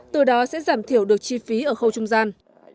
từ đó sẽ giảm thiểu được chi phí ở khâu trung gian